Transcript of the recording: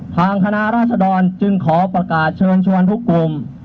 ทางคณะราชดรจึงขอประกาศเชิญชวนทุกกลุ่ม